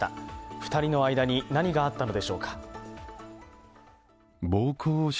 ２人の間に何があったのでしょうか